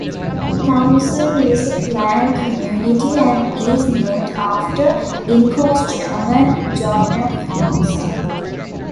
Thompson is a planned community and is named after Inco's chairman, John F. Thompson.